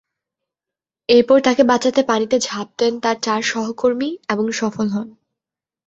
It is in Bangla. এরপর তাঁকে বাঁচাতে পানিতে ঝাঁপ দেন তাঁর চার সহকর্মী এবং সফল হন।